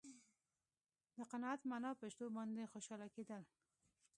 د قناعت معنا په شتو باندې خوشاله کېدل.